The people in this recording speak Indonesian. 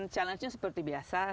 challenge nya seperti biasa